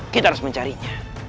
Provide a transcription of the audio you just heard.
kita harus mencarinya